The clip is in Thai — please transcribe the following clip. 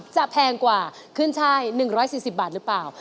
จะแพงกว่าคืนใช่๑๔๐บาทหรือเปล่า